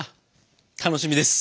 楽しみです。